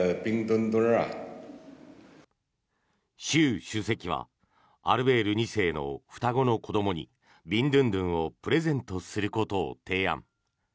習主席はアルベール２世の双子の子どもにビンドゥンドゥンをプレゼントすることを提案。